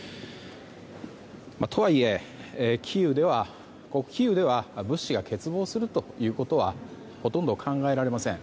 とはいえ、キーウでは物資が欠乏することはほとんど考えられません。